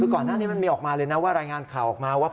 คือก่อนหน้านี้มันมีออกมาเลยนะว่ารายงานข่าวออกมาว่า